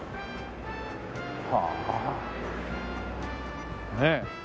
はあねえ。